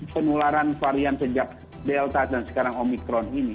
penularan varian sejak delta dan sekarang omikron ini